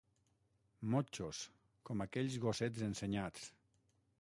Motxos, com aquells gossets ensenyats